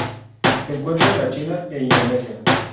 Se encuentra en la China e Indonesia.